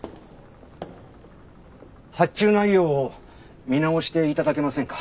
発注内容を見直していただけませんか？